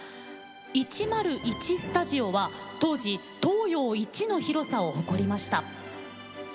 １０１スタジオは、当時東洋一の広さを誇りました。